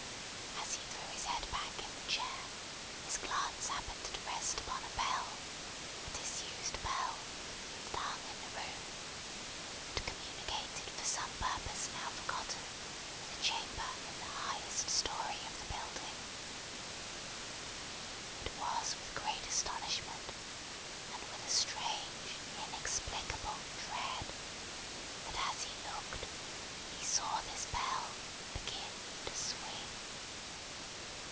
As he threw his head back in the chair, his glance happened to rest upon a bell, a disused bell, that hung in the room, and communicated for some purpose now forgotten with a chamber in the highest story of the building. It was with great astonishment, and with a strange, inexplicable dread, that as he looked, he saw this bell begin to swing.